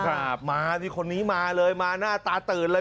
ครับมาสิคนนี้มาเลยมาหน้าตาตื่นเลย